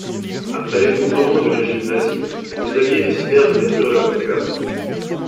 Après l'effondrement du régime nazi, les Alliés décidèrent de détruire le bunker.